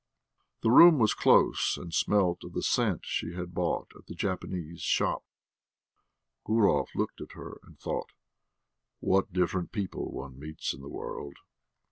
The room was close and smelt of the scent she had bought at the Japanese shop. Gurov looked at her and thought: "What different people one meets in the world!"